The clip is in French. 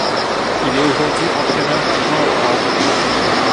Il est aujourd'hui entraîneur adjoint au Havre.